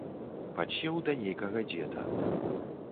Падсеў да нейкага дзеда.